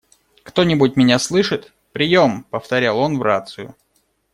«Кто-нибудь меня слышит? Приём!», - повторял он в рацию.